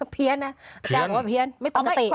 เพี้ยนนะอาจารย์บอกว่าเพี้ยนไม่ปกติ